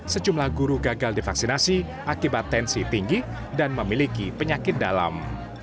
sejumlah guru gagal divaksinasi akibat tensi tinggi dan memiliki penyakit dalam